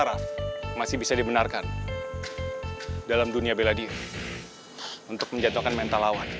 udah sekarang ganti situp situp ayo cepet